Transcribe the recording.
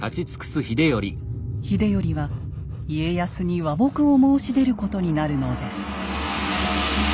秀頼は家康に和睦を申し出ることになるのです。